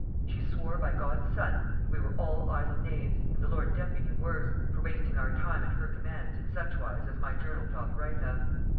She swore by God's son, we were all idle knaves, and the lord deputy worse, for wasting our time and her commands in such wise as my journal doth write of.